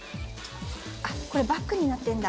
あっ、これ、バッグになってるんだ。